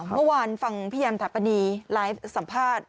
เมื่อวานฟังพี่แอมถาปนีไลฟ์สัมภาษณ์